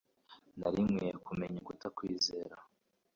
Nari nkwiye kumenya kutakwizera